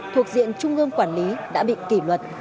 thuộc diện trung ương quản lý đã bị kỷ luật